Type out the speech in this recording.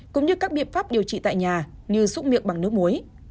cũng như các biện pháp điều trị tại nhà như xúc miệng bằng nước muối